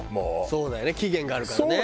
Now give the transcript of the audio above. そうだよね期限があるからね。